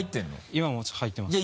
今もう入ってます。